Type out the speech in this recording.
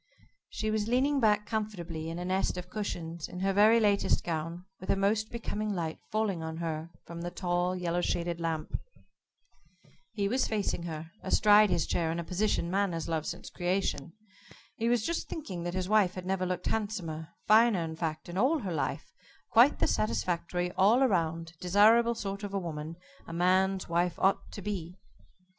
She was leaning back comfortably in a nest of cushions, in her very latest gown, with a most becoming light falling on her from the tall, yellow shaded lamp. He was facing her astride his chair, in a position man has loved since creation. He was just thinking that his wife had never looked handsomer, finer, in fact, in all her life quite the satisfactory, all round, desirable sort of a woman a man's wife ought to be.